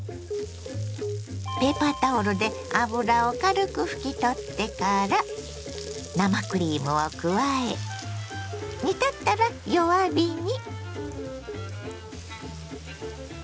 ペーパータオルで脂を軽く拭き取ってから生クリームを加え煮立ったら弱火に。